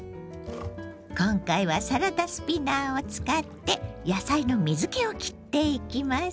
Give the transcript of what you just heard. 今回はサラダスピナーを使って野菜の水けをきっていきます。